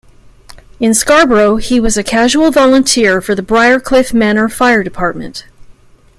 In Scarborough, he was a casual volunteer for the Briarcliff Manor Fire Department.